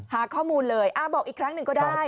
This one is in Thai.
หาข้อมูลเลยบอกอีกครั้งหนึ่งก็ได้